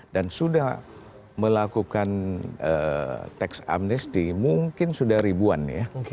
dan sudah melakukan tax amnesty mungkin sudah ribuan ya